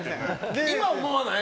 今、思わない？